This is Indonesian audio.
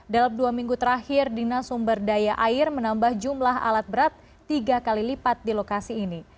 dalam dua minggu terakhir dinas sumber daya air menambah jumlah alat berat tiga kali lipat di lokasi ini